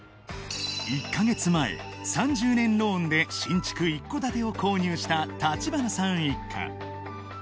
１か月前３０年ローンで新築一戸建てを購入した橘さん一家